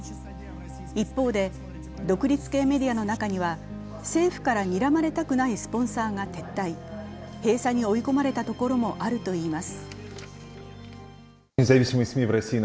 一方で、独立系メディアの中には政府からにらまれたくないスポンサーが撤退、閉鎖に追い込まれたところもあるといいます。